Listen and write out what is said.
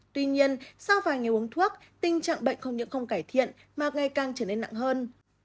tuy nhiên sau vài ngày uống thuốc tình trạng bệnh không những không cải thiện mà ngày càng trở nên nặng hơn